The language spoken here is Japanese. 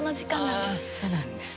ああそうなんですか。